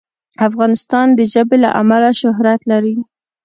افغانستان د ژبې له امله شهرت لري.